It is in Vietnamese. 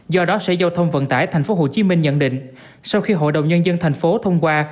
do đó sẽ giao thông vận tải thành phố hồ chí minh nhận định sau khi hội đồng nhân dân thành phố thông qua